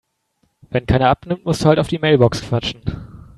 Wenn keiner abnimmt, musst du halt auf die Mailbox quatschen.